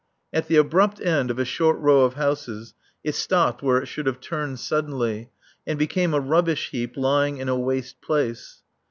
At the abrupt end of a short row of houses it stopped where it should have turned suddenly, and became a rubbish heap lying in a waste place.